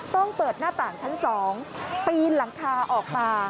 เปิดหน้าต่างชั้น๒ปีนหลังคาออกมา